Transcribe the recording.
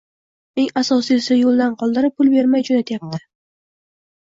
Eng asosiysi yoʻldan qoldirib, pul bermay joʻnatayapti.